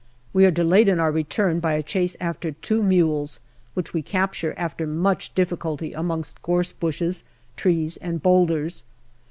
We are delayed in our return by a chase after two mules, which we capture after much difficulty amongst gorse bushes, trees, and boulders.